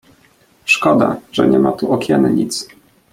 "Szkoda, że tu niema okiennic."